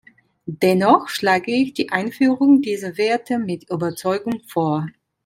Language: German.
Dennoch schlage ich die Einführung dieser Werte mit Überzeugung vor.